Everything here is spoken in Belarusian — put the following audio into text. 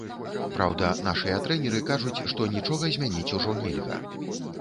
Праўда, нашыя трэнеры кажуць, што нічога змяніць ужо нельга.